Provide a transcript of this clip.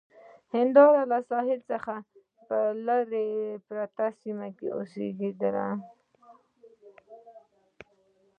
همدارنګه له ساحل څخه په لرې پرتو سیمو کې اوسېدل.